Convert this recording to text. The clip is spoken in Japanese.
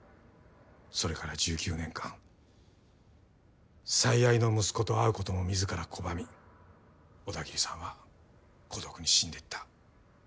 それから１９年間最愛の息子と会うことも自ら拒み小田切さんは孤独に死んでいった。